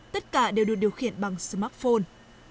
tất cả đều được điều khiển bằng smartphone